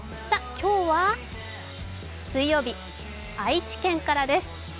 今日は水曜日、愛知県からです。